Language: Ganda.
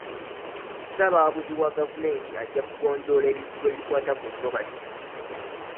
Ssaabawabuzi wa gavumenti ajja kugonjoola ebizibu ebikwata ku ntobazi.